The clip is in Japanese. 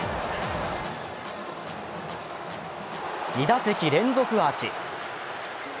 ２打席連続アーチ。